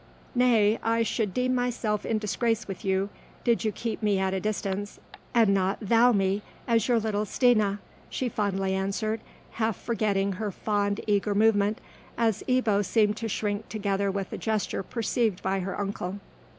"Nay, I should deem myself in disgrace with you, did you keep me at a distance, and not thou me, as your little Stina," she fondly answered, half regretting her fond eager movement, as Ebbo seemed to shrink together with a gesture perceived by her uncle.